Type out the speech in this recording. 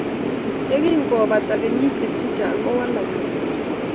Ye kingopata kenyisiek chechang kowalak emet